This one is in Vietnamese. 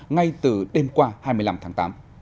ngay từ đêm qua hai mươi năm tháng tám